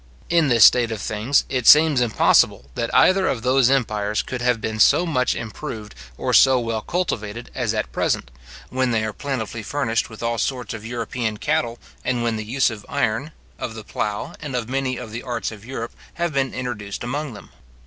In this state of things, it seems impossible that either of those empires could have been so much improved or so well cultivated as at present, when they are plentifully furnished with all sorts of European cattle, and when the use of iron, of the plough, and of many of the arts of Europe, have been introduced among them.